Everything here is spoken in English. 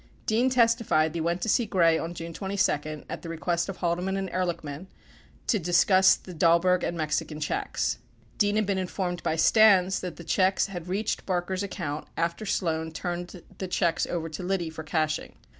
Dean testified he went to see Gray on June 22 at the request of Haldeman and Ehrlichman to discuss the Dahlberg and Mexican checks. 21 Dean had been informed by Stans that the checks had reached Barker's account after Sloan turned the checks over to Liddy for cashing.